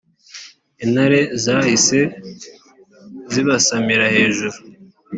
Intare zahise zibasamira hejuru